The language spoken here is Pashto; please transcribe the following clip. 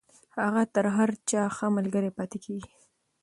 هغه تر هر چا ښه ملگرې پاتې کېږي.